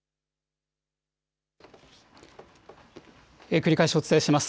繰り返しお伝えします。